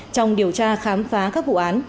trong điều tra khám phá các vụ án